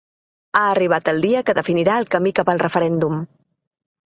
Ha arribat el dia que definirà el camí cap al referèndum.